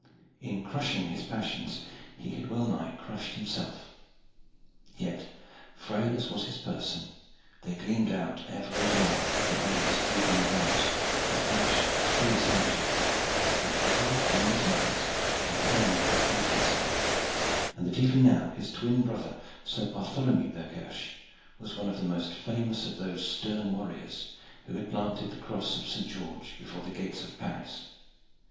In crushing his passions he had well nigh crushed himself. Yet, frail as was his person there gleamed out ever and anon from under his drooping brows a flash of fierce energy, which recalled to men's minds that he came of a fighting stock, and that even now his twin brother, Sir Bartholomew Berghersh, was one of the most famous of those stern warriors who had planted the Cross of St. George before the gates of Paris.